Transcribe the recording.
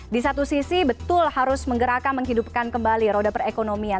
di satu sisi betul harus menggerakkan menghidupkan kembali roda perekonomian